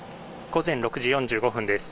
午前６時４５分です。